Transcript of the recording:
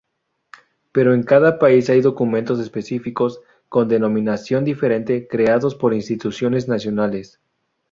Pero en cada país hay documentos específicos, con denominación diferente, creados por instituciones nacionales.